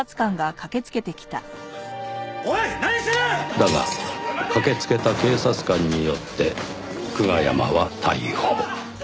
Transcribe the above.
だが駆けつけた警察官によって久我山は逮捕